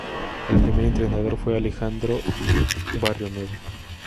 El primer entrenador fue Alejandro Barrionuevo.